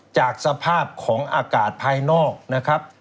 จากสภาพของอากาศภายนอกนะครับ